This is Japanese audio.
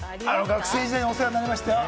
学生時代、お世話になりました。